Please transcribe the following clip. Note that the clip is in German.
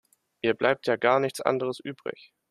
Ihr bleibt ja gar nichts anderes übrig.